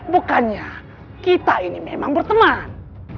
bukannya kita ini memang berteman